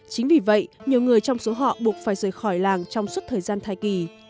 chính vì vậy nhiều người trong số họ buộc phải rời khỏi làng trong suốt thời gian thai kỳ